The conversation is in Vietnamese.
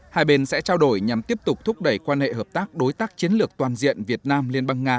hai bên sẽ trao đổi nhằm tiếp tục thúc đẩy quan hệ hợp tác đối tác chiến lược toàn diện việt nam liên bang nga